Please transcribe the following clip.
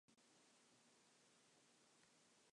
There is a post office located within the town of Meadow.